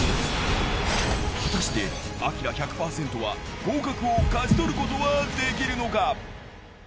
果たして、アキラ１００％は合格を勝ち取ることはできるのか。